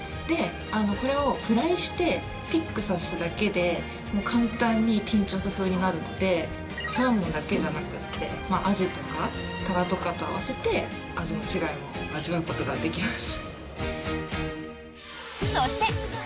これをフライしてピック刺すだけで簡単にピンチョス風になるのでサーモンだけじゃなくてアジとかタラとかと併せて味の違いも味わうことができます。